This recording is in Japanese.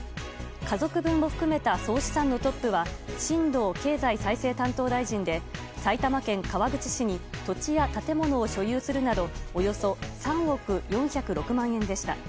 家族分も含めた総資産のトップは新藤経済再生担当大臣で埼玉県川口市に土地や建物を所有するなどおよそ３億４０６万円でした。